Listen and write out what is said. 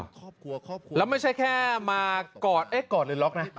แล้วไม่ใช่แค่มากอดเอ๊ะกอดหรือล็อกนะ